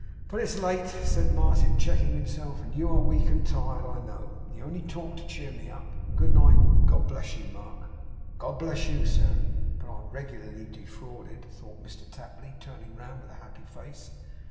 But it's late,' said Martin, checking himself, 'and you are weak and tired, I know. You only talk to cheer me up. Good night! God bless you, Mark!' 'God bless you, sir! But I'm reg'larly defrauded,' thought Mr Tapley, turning round with a happy face.